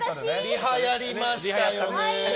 リハやりましたよね。